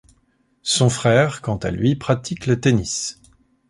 Son frère quant à lui pratique le tennis.